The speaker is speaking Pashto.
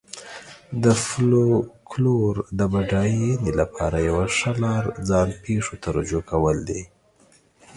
د فولکلور د بډاینې لپاره یوه ښه لار ځان پېښو ته رجوع کول دي.